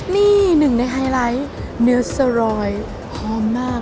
นี่หนึ่งในไฮไลท์เนื้อสรอยหอมมาก